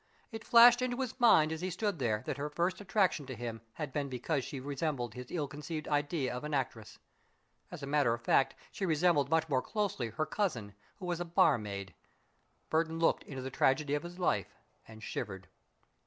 It flashed into his mind as he stood there that her first attraction to him had been because she resembled his ill conceived idea of an actress. As a matter of fact, she resembled much more closely her cousin, who was a barmaid. Burton looked into the tragedy of his life and shivered.